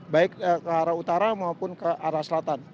baik ke arah utara maupun ke arah selatan